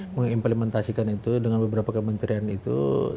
mengimplementasikan itu dengan beberapa kementerian itu